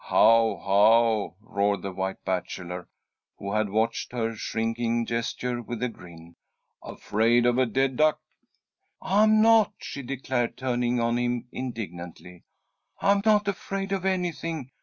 "Haw! Haw!" roared the White Bachelor, who had watched her shrinking gesture with a grin. "Afraid of a dead duck!" "I'm not!" she declared, turning on him, indignantly. "I'm not afraid of anything!